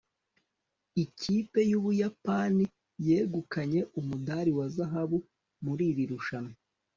ikipe y'ubuyapani yegukanye umudari wa zahabu muri iri rushanwa